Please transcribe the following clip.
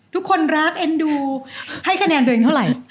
ทุกคนรักเอ็นดูให้คะแนนตัวเองเท่าไหร่